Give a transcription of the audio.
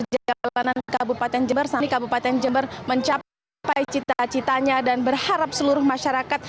jalanan kabupaten jember sampai kabupaten jember mencapai cita citanya dan berharap seluruh masyarakat